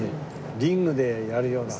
リングでやるような？